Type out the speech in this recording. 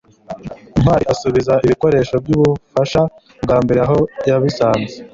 ntwali asubiza ibikoresho byubufasha bwambere aho yabisanze